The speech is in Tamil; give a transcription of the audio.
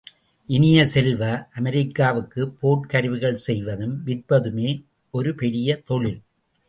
இனிய செல்வ, அமெரிக்காவுக்கு, போர்க் கருவிகள் செய்வதும் விற்பதுமே ஒரு பெரிய தொழில்.